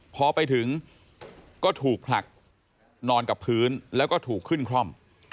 พอไปถึงก็ถูกผลักนอนกับพื้นแล้วก็ถูกขึ้นคล่อม